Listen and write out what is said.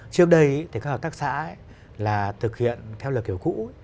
trước đây thì các hợp tác xã là thực hiện theo luật kiểu cũ